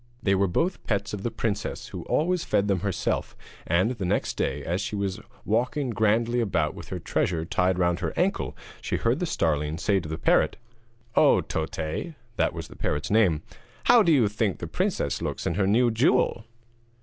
They were both pets of the princess who always fed them herself, and the next day, as she was walking grandly about with her treasure tied round her ankle, she heard the starling say to the parrot: 'Oh, Toté' (that was the parrot's name), 'how do you think the princess looks in her new jewel?'